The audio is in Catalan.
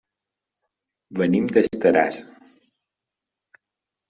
Venim d'Estaràs.